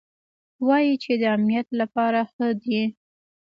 وايي چې د امنيت له پاره ښه دي.